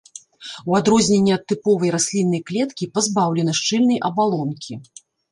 У адрозненне ад тыповай расліннай клеткі пазбаўлена шчыльнай абалонкі.